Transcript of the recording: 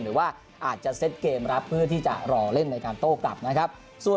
หรือว่าอาจจะเซ็ตเกมรับเพื่อที่จะรอเล่นในการโต้กลับนะครับ